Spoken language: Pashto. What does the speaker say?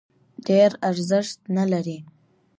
ډېر ارزښت نه لري.